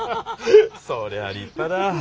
そりゃ立派だ。